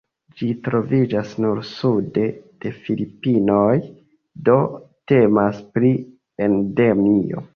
Ĝi troviĝas nur sude de Filipinoj, do temas pri Endemio.